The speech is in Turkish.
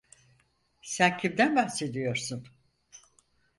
Sen kimden bahsediyorsun?